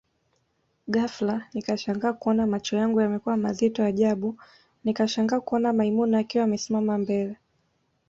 Ghafla nikashangaa kuona macho yangu yamekuwa mazito ajabu nikashangaa kuona maimuna akiwa amesimama mbele